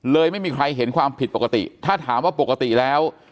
ไม่มีใครเห็นความผิดปกติถ้าถามว่าปกติแล้ว